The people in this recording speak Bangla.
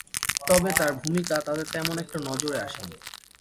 তবে তাঁর ভূমিকা তাতে তেমন একটা নজরে আসে নি।